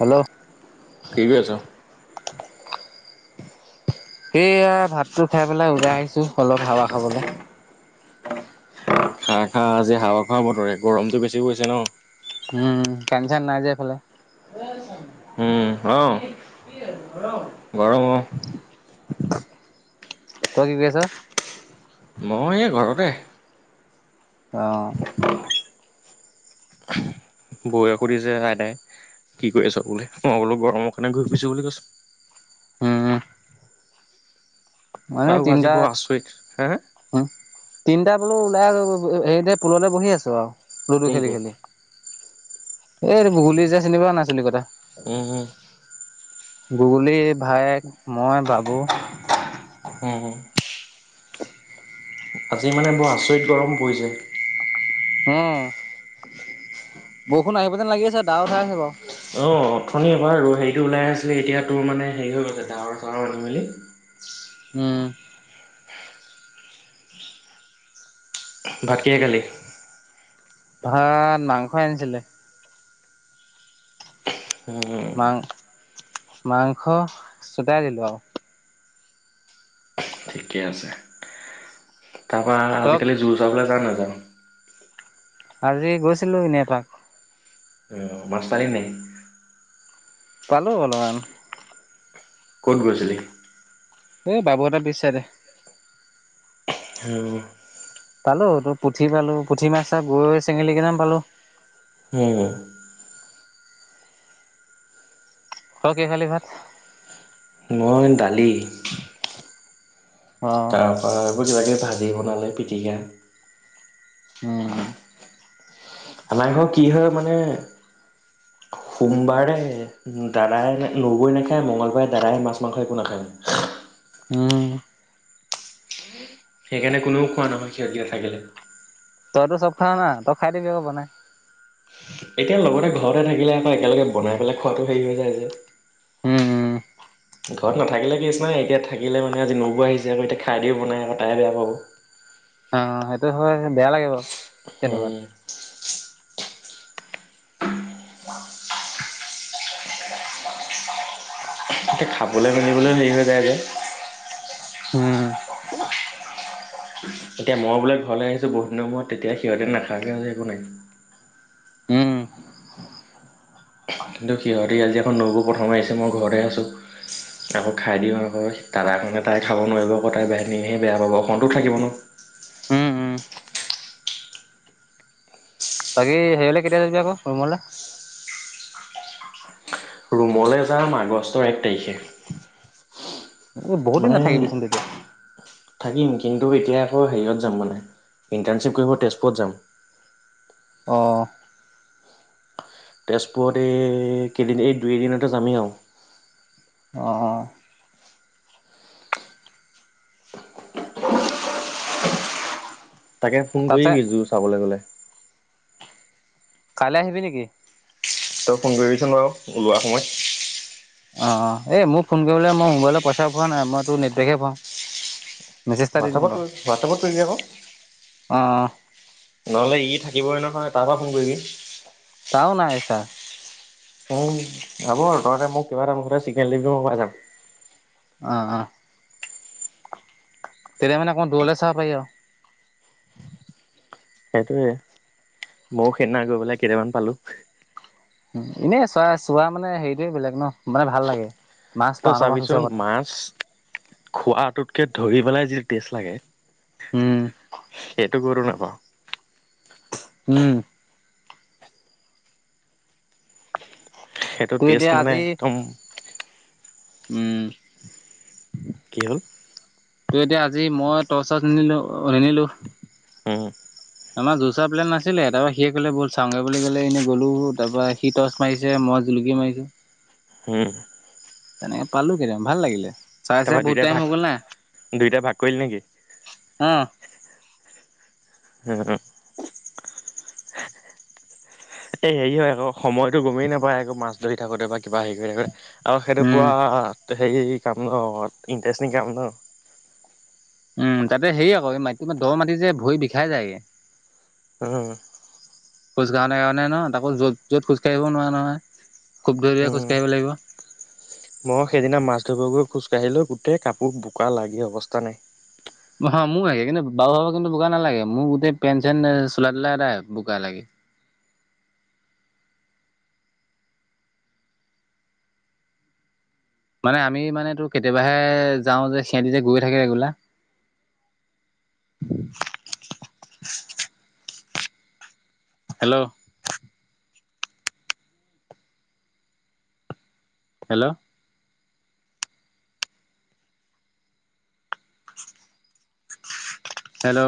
Hello ঠিকেই আছে। সেইয়া ভাতটো খাই পেলাই ওলাই আহিছো অলপ হাৱা খাবলৈ। হা আজি হাৱা খোৱা বতৰে, গৰমটো বেছি পৰিছে ন। উম ফেন চেন নাই যে এইফালে। উম অ'। গৰম অ। তই কি কৰি আছো? মই এই ঘৰতে অ'। [unintelligible] কি কৰি আছো বোলে, মই বোলো গৰমৰ কাৰণে ঘূৰি ফুৰিছো বুলি কৈছো। উম। মই এনেই আৰু আজি বৰ তিনিটাত আচৰিত হে হম তিনিটা বোলো ওলাই হেৰিতে পুলতে বহি আছো আৰু, লুডু কোন খেলি কোন? খেলি। এই এইটো বগলী যে আছে চিনি পোও নে নাই চলি কটা? উম হুম। বুবুলী, ভায়েক, মই, বাবু উম উম আজি মানে বৰ আচৰিত গৰম পৰিছে। অ, বৰষুণ আহিব যেন লাগি আছে ডাৱৰ উঠাই আছে বাৰু। অ, অথনি এবাৰ হেৰিটো ওলাই আছিলে এতিয়া তোৰ মানে হেৰি হৈ গৈছে ডাৱৰ চাৱৰ আনি মেলি। উম। ভাত কিহেৰে খালি। ভাত, মাংস আনিছিলে। উম মাং মাংস ছটাই দিলো আৰু। ঠিকে আছে। তাৰপা তক আজিকালি জোৰ চাবলৈ যাও নে নাযাওঁ। আজি গৈছিলো এনেই এপাক। অ'মাছ পালি নাই? পালো অলমান। ক'ত ধৰিছিলি। এই বাবুহতঁৰ পিছ চাইডে। [unintelligible] পালো, তোৰ পুঠি পালো পুঠি মাছে গৰৈ, চেঙেলী কেটামান পালো। হুম। তই কি খালি ভাত। মই দালি। অ তাৰপা আকৌ [unintelligible] ভাজি বনালে পিটিকা। উম। আমাৰ ঘৰত কি হয় মানে, [inaudible] সোমবাৰে দাদাই নবৌ নাখায় মঙলবাৰে দাদাই মাছ মাংস একো নাখায়। উম। সেইকাৰণে কোনেও খোৱা নহয় সিহঁতি থাকিলে। তইতো চব খাৱ না তই খাই দিবি আক বনাই। এতিয়া লগতে ঘৰতে থাকিলে আকৌ একেলগে বনাই পেলাই খোৱাাতটো হেৰি হৈ যায় যে। উম উম। ঘৰত নাথাকিলে কেছ নাই এতিয়া থাকিলে মানে আজি নবৌ আহিছে আকৌ এতিয়া খাই দিও বনায় আকৌ তাই বেয়া পাব। অ, সেইটো হয় বেয়া লাগে বাৰু। তেনেকুৱাত হুম। এতিয়া খাবলৈ মেলিবলৈ হেৰি হৈ যায় যে। হুম। এতিয়া মই বোলে ঘৰলৈ আহিছো বহু দিনৰ মূৰত তেতিয়া সিহঁতে নাথাকে আজি একো নাই। উম কিন্তু সিহঁতি আজি আকৌ নবৌ প্ৰথম আহিছে মই ঘৰতে আছোঁ আকৌ খাই দিওঁ আকৌ তাৰ তাৰ কাৰণে তাই খাব নোৱাৰিব আকৌ তাই [unintelligible] বেয়া পাব অসমতো থাকিব ন। উম উম। বাকী হেৰিলে কেতিয়া যাবি আকৌ ৰুমলৈ। ৰুমলৈ যাম আগষ্টৰ এক তাৰিখে। বহুত দিন মানে নাথাকিবিচোন তেতিয়া থাকিম কিন্তু এতিয়া আকৌ হেৰিয়ত যাম মানে ইণ্টাৰ্ণশ্বিপ কৰিব তেজপুৰত যাম। অ' তেজপুৰত এই কেইদিন এই দুই এদিনতে যামেই আৰু। অ', অ'। তাকে, ফোন তাতে কৰিবি জুৰ চাবলৈ গ'লে। কাইলৈ আহিবি নেকি? তই ফোন কৰিবিচোন বাৰু ওলোৱা সময়ত। অ, অ, এই মোক ফোন কৰিবলৈ মই মোবাইলত পইচা ভৰোৱা নাই মই তোৰ নেটপেকহে ভৰাও। মেছেজ এটা দি দিম হোৱাটছআপত বাৰু, কৰি হোৱাটছআপত কৰিবি আকৌ। অ' অ'। নহ'লে ই থাকিবই নহয়, তাৰ পৰা ফোন কৰিবি। তাৰো নাই ৰিচাৰ্জ। উম, হ'ব তহঁতে মোক কিবা এটা মুঠতে চিগনেল দিবি, মই পাই যাম। অ' অ'। তেতিয়া মানে অকণমান দূৰলে চাব পাৰি আৰু। সেইটোৱে, মইয়ো সেইদিনা গৈ পেলাই কেইটামান পালোঁ। উম, এনেই চোৱা-চোৱা মানে হেৰিটোৱে বেলেগ ন, মানে ভাল লাগে। মাছ তই পাওঁ নাপাওঁ পিছৰ চাবিচোন, কথা মাছ খোৱাটোতকে ধৰি পেলাই যিটো টেষ্ট লাগে উম। সেইটো ক'তো নাপাৱ। উম। সেইটো তোৰ টেষ্ট এতিয়া মানে আজি একদম উম। কি হ'ল তোৰ এতিয়া আজি মই টৰ্চ-চৰ্চ নিনিলোঁ-নিনিলোঁ উম। আমাৰ জোৰ চোৱা প্লেন নাছিলে, তাৰপৰা সিয়ে ক'লে ব'ল চাওঁগে বুলি ক'লে, এনেই গ'লো তাৰ পৰা সি টৰ্চ মাৰিছে, মই মই জুলুকি মাৰিছোঁ। উম। তেনেকে পালোঁ কেইটামান, ভাল লাগিলে। চাই চাই তাৰপৰা বহুত দুইটাই টাইম ভাগ হৈ গ'ল না, দুইটাই ভাগ কৰিলি নেকি অ'। হুম। এই হেৰি হয় আকৌ সময়তো গমেই নাপায় আকৌ মাছ ধৰি থাকোঁতে বা কিবা হেৰি কৰি থাকোঁতে। আৰু সেইটো উম পুৰা হেৰি কাম ন ইণ্টাৰেষ্টিং কাম ন। উম তাতে হেৰি আকৌ মাটিটো দ মাটি যে ভৰি বিষাই যায়গে। উম। খোজ কাঢ়াৰ কাৰণে ন তাকো য'ত য'ত খোজ কাঢ়িব নোৱাৰা নহয়। খুব ধৰি ধৰি খোজ উম, কাঢ়িব লাগিব মই সেইদিনা মাছ ধৰিব গৈ খোজ কাঢ়িলো গোটেই কাপোৰ বোকা লাগি অৱস্থা নাই। হা মোৰ লাগে কিন্তু বাবু ভাগৰ কিন্তু বোকা নালাগে মোৰ গোটেই পেনট চেনট চোলাই টোলাই এটা বোকা লাগে। মানে আমি মানে টোৰ কেতিয়াবাহে যাও যে সিহতি যে গৈ থাকে এইগোলা। [inaudible] Hello hello hello